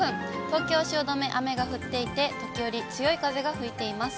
東京・汐留、雨が降っていて、時折、強い風が吹いています。